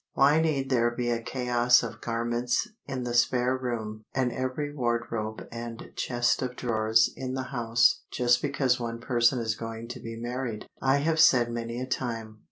"Why need there be a chaos of garments in the spare room and every wardrobe and chest of drawers in the house just because one person is going to be married?" I have said many a time.